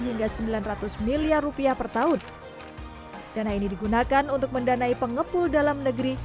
hingga sembilan ratus miliar rupiah per tahun dana ini digunakan untuk mendanai pengepul dalam negeri